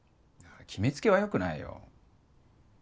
決めつけはよくないよ。